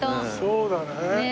そうだね。